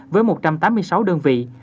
với một trăm tám mươi sáu đơn vị